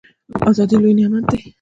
ازادي لوی نعمت دی